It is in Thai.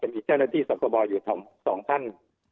จะมีเจ้าหน้าที่ศาลกบอยู่ต่อ๒ท่าน